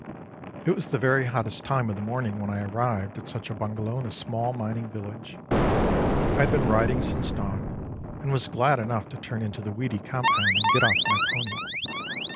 It was the very hottest time of the morning when I arrived at such a bungalow in a small mining village. I had been riding since dawn, and was glad enough to turn into that weedy compound and get off my pony.